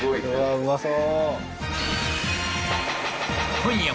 うまそう